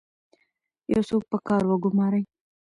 یو څوک په کار وګمارئ.